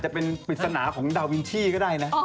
คือเป็นผิดสนาของดาวินทชีก็ได้นะ